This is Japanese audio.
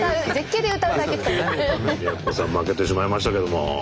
鬼奴さん負けてしまいましたけども。